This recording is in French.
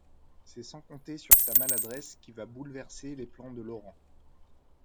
C’est sans compter sur sa maladresse qui va bouleverser les plans de Laurent…